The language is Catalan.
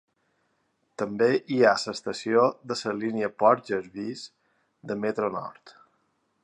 També hi ha l'estació de la línia Port Jervis de Metro-Nord.